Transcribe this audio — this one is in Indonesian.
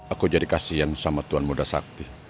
aku jadi kasihan sama tuan muda sakti